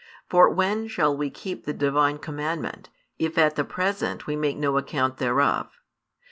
For when shall we keep the Divine commandment, if at the present we make no account thereof?